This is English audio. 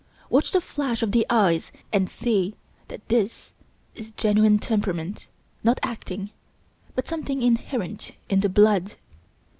Watch the flash of the eyes and see that this is genuine temperament, not acting, but something inherent in the blood.